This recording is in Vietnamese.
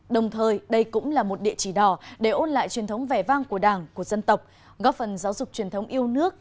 đồng thời đây cũng là một địa chỉ đỏ để ôn lại truyền thống vẻ vang của đảng của dân tộc góp phần giáo dục truyền thống yêu nước